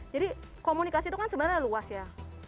jadi komunikasi itu kan sebenarnya luas ya